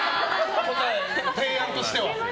提案としては。